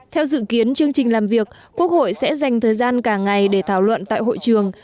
theo dự kiến chương trình làm việc quốc hội sẽ dành thời gian cả ngày để thảo luận tại hội trường